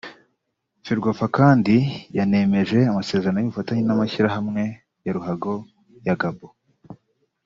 Ferwafa kandi yanemeje amasezerano y’ubufatanye n’amashyirahamwe ya ruhago ya Gabon